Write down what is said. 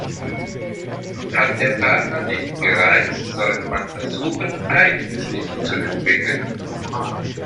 Hat der Partner nicht gereizt, sollte man versuchen, eigene Stiche zu entwickeln.